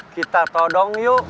kita todong yuk